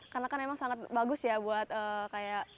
karena kan memang sangat bagus ya buat kayak